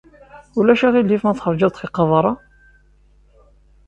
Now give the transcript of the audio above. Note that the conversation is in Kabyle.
Ulac aɣilif ma teṛjiḍ ddqiqa beṛṛa?